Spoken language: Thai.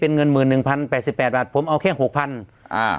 เป็นเงินหมื่นหนึ่งพันแปดสิบแปดบาทผมเอาแค่หกพันอ่า